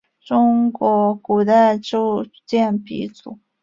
中国古代铸剑鼻祖。